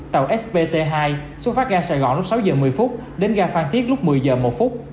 tàu spt hai xuất phát tại gai sài gòn lúc sáu h một mươi đến gai phan thiết lúc một mươi h một